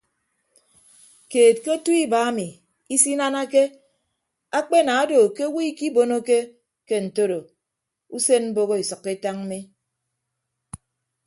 Keed ke otu iba emi isinanake akpenana odo ke owo ikibonoke ke ntoro usen mboho esʌkkọ etañ mi.